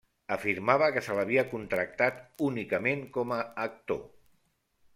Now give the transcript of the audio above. Afirmava que se l’havia contractat únicament com a actor.